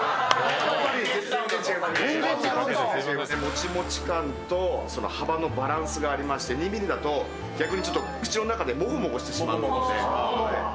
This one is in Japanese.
モチモチ感と幅のバランスがありまして２ｍｍだと逆に口の中でもごもごしてしまうので。